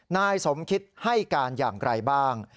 นายสมคิดให้การอย่างไรบ้าง